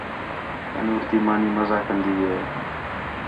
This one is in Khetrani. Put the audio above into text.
تَنُور تی مانی مزہ کندی ہے